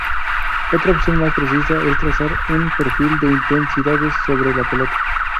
Otra opción más precisa, es trazar un perfil de intensidades sobre la pelota.